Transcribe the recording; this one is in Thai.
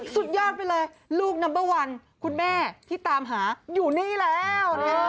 สุดยอดไปเลยลูกนัมเบอร์วันคุณแม่ที่ตามหาอยู่นี่แล้ว